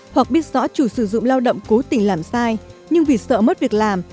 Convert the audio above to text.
hoặc biết rõ chủ sử dụng lao động cố tình làm sai nhưng vì sợ mất việc làm